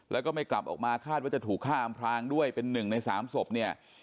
แล้วก็ไม่กลับออกมาคาดว่าจะถูกฆ่าอำพลางด้วยเป็นหนึ่งในสามศพเนี่ย